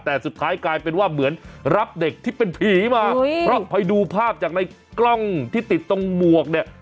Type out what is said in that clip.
แต่สุดท้ายกลายเป็นว่าเหมือนรับเด็กที่เป็นผีมาเพราะไปดูภาพจากในกล้องที่ติดตรงหมวกเนี่ย